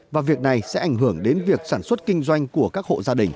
và việc này sẽ ảnh hưởng đến việc sản xuất kinh doanh của các hộ gia đình